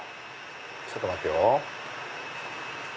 ちょっと待ってよ。